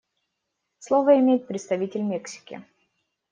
Слово имеет представитель Мексики.